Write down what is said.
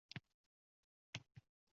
Ixtiyorimizdagi vaqt qadriga yetaylik.